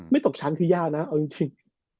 ตกชั้นคือยากนะเอาจริง